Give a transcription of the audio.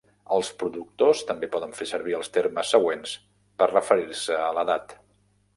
Els productors també poden fer servir els termes següents per referir-se a l'edat.